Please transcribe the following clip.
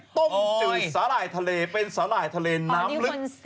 ต้มจืดสาหร่ายทะเลเป็นสาหร่ายทะเลน้ำลึก